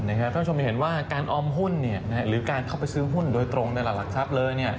ท่านผู้ชมจะเห็นว่าการออมหุ้นหรือการเข้าไปซื้อหุ้นโดยตรงในหลักทรัพย์เลย